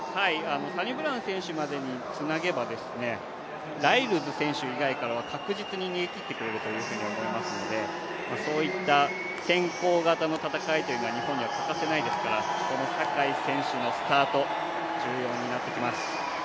サニブラウン選手までにつなげば、ライルズ選手以外からは確実に逃げ切ってくれるというふうに思いますのでそういった先行型の戦いというのは日本に欠かせないですから、この坂井選手のスタート、重要になってきます。